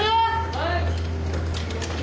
はい！